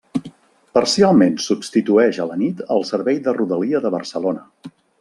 Parcialment substitueix a la nit el servei de Rodalia de Barcelona.